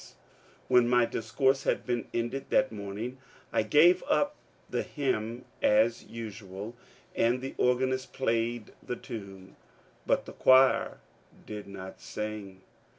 When my discourse had ended that morning I gave out the hymn as usual, and the organist played the tune, but the choir did not sing.